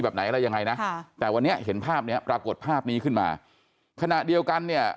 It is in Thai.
แบบไหนอะไรยังไงนะค่ะแต่วันนี้เห็นภาพเนี้ยปรากฏภาพนี้ขึ้นมาขณะเดียวกันเนี่ย